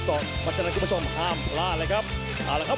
เพราะฉะนั้นคุณผู้ชมห้ามพลาดเลยครับ